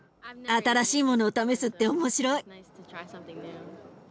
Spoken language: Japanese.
新しいものを試すって面白い。